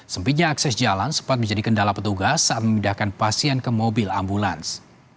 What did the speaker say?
sempitnya akses jalan sempat menjadi kendala petugas saat memindahkan pasien ke mobil ambulans